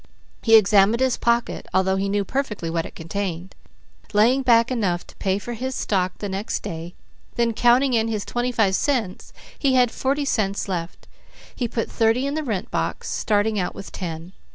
He examined his pocket, although he knew perfectly what it contained. Laying back enough to pay for his stock the next day, then counting in his twenty five cents, he had forty cents left. He put thirty in the rent box, starting out with ten.